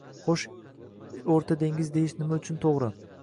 Xoʻsh, oʻrta dengiz deyish nima uchun toʻgʻri